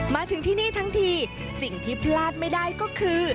มาถึงที่นี่ทั้งทีสิ่งที่พลาดไม่ได้ก็คือ